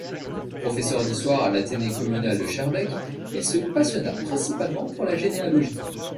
Professeur d'histoire à l'Athénée communal de Schaerbeek, il se passionna principalement pour la généalogie.